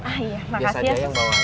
iya biasa aja yang bawah